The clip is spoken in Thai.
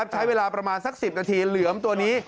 ใช้เวลาประมาณสัก๑๐นาทีเหลือมตัวนี้